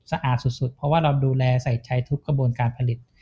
สะอาดสุดเพราะว่าเราดูแลใส่ใจทุกกระบวนการผลิต